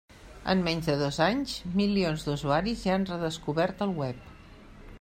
En menys de dos anys, milions d'usuaris ja han redescobert el web.